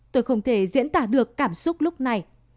tôi không thể diễn tả được cảm xúc lúc này